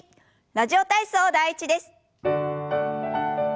「ラジオ体操第１」です。